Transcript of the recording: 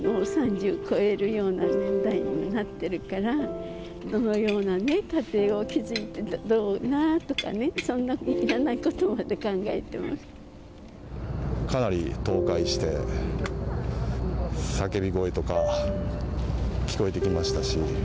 もう３０を超えるような年代になっているから、どのような家庭を築いていたろうなとか、そんな、かなり倒壊して、叫び声とか聞こえてきましたし。